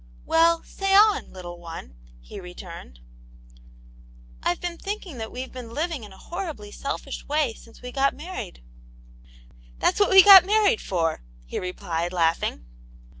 " Well, say on, little one," he returned. "Tve been thinking that weVe been living in a horribly selfish way since we were married." "That's what we got married for," he replied, laughing.